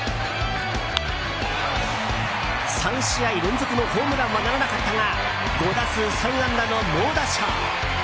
３試合連続のホームランはならなかったが５打数３安打の猛打賞。